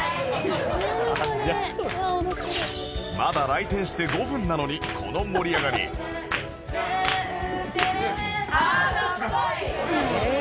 まだ来店して５分なのにこの盛り上がりへえ！